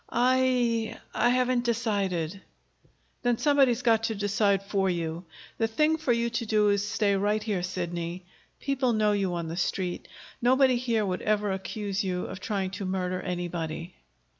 "I I haven't decided." "Then somebody's got to decide for you. The thing for you to do is to stay right here, Sidney. People know you on the Street. Nobody here would ever accuse you of trying to murder anybody."